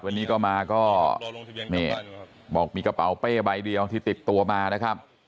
วันนี้ก็มาก็นี่บอกมีกระเป๋าเป้ใบเดียวที่ติดตัวมานะครับ